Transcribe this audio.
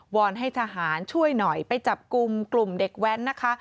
อนให้ทหารช่วยหน่อยไปจับกลุ่มกลุ่มเด็กแว้นนะคะ